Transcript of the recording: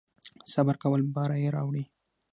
صبر کول بری راوړي